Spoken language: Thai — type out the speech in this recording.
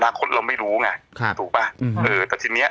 อนาคตเราไม่รู้ไงค่ะถูกป่ะอืมอืมเออแต่ทีเนี้ย